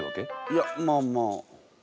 いやまあまあ。